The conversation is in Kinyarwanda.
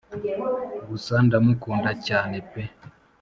gusa ndamukunda cyane pe